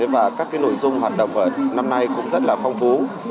và các nội dung hoạt động ở năm nay cũng rất là phong phú